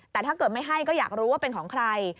แต่ถ้าเกิดไม่ให้ก็อยากรู้ว่าเป็นของใคร